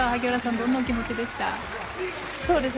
どんなお気持ちでしたか。